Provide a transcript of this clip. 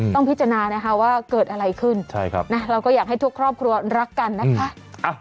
ต้องพิจารณานะคะว่าเกิดอะไรขึ้นเราก็อยากให้ทุกครอบครัวรักกันนะคะ